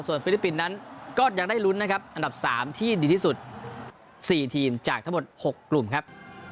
ฟิลิปปินส์นั้นก็ยังได้ลุ้นนะครับอันดับ๓ที่ดีที่สุด๔ทีมจากทั้งหมด๖กลุ่มครับ